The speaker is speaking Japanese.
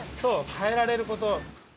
かえられること。